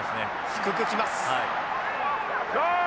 低くきます。